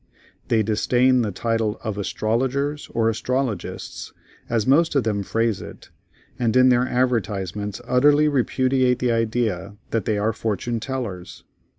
They disdain the title of "Astrologers," or "Astrologists," as most of them phrase it, and in their advertisements utterly repudiate the idea that they are "Fortune Tellers."